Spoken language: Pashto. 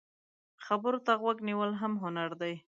خبرو ته غوږ نیول هم هنر دی